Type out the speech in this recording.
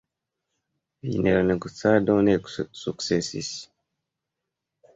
Fine la negocado ne sukcesis.